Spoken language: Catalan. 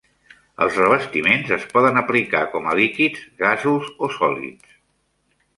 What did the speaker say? Els revestiments es poden aplicar com a líquids, gasos o sòlids.